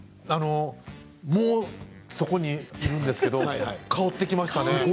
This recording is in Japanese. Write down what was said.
もうそこにあるんですけれど香ってきましたね。